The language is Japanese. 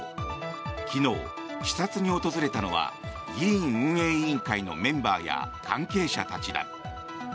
昨日、視察に訪れたのは議院運営委員会のメンバーや関係者たちだ。